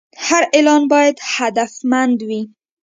هر اعلان باید هدفمند وي.